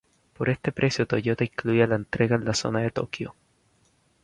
Por este precio Toyota incluía la entrega en la zona de Tokio.